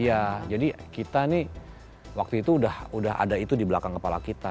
iya jadi kita nih waktu itu udah ada itu di belakang kepala kita